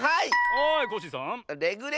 はいコッシーさん。